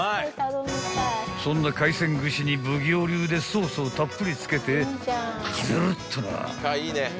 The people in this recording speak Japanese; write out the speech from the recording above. ［そんな海鮮串に奉行流でソースをたっぷりつけてズルッとな］